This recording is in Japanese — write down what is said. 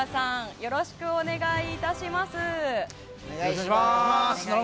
よろしくお願いします。